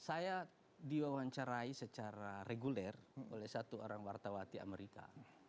saya diwawancarai secara reguler oleh satu orang wartawati amerika